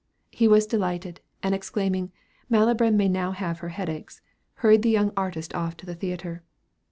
He was delighted, and exclaiming, "Malibran may now have her headaches," hurried the young artist off to the theatre.